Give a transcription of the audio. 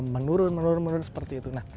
menurun menurun seperti itu